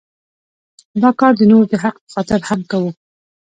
دا کار د نورو د حق په خاطر هم کوو.